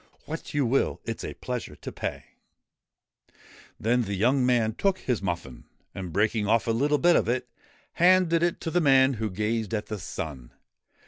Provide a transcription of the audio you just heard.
' What you will : it 's a pleasure to pay' Then the young man took his muffin, and, breaking off a little bit of it, handed it to the man who gazed at the sun.